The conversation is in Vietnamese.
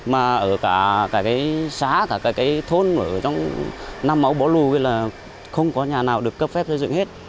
mà ở cả cái xá cả cái thôn ở trong nam mẫu bỏ lùi là không có nhà nào được cấp phép xây dựng hết